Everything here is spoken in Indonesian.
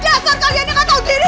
dasar kalian yang gak tau diri